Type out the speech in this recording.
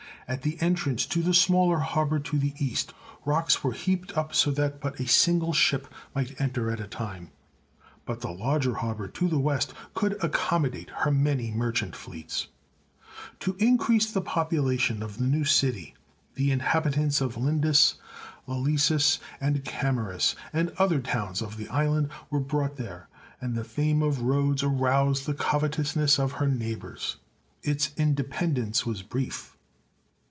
At the entrance to the smaller harbour to the east, rocks were heaped up so that but a single ship might enter at a time, but the larger harbour to the west could accom modate her many merchant fleets. To increase the population of the new city, the inhabitants of Lindus, lalysus, and Camorus, and other towns of the island, were brought there, and the fame of Rhodes aroused the covetousness of her neighbours. Its independence was brief.